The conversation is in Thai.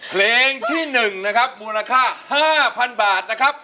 เพลงที่๑นะครับมูลค่า๕๐๐๐บาทนะครับ